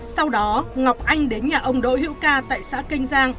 sau đó ngọc anh đến nhà ông đội hữu ca tại xã kênh gia